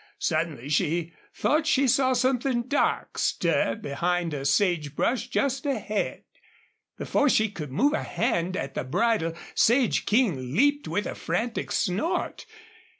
Suddenly she thought she saw something dark stir behind a sage bush just ahead. Before she could move a hand at the bridle Sage King leaped with a frantic snort.